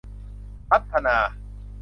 พัฒนา